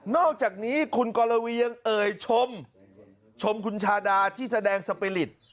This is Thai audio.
อกจากนี้คุณกรวียังเอ่ยชมคุณชาดาที่แสดงสปีริต